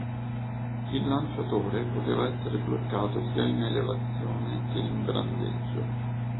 Il lanciatore poteva essere bloccato sia in elevazione che in brandeggio.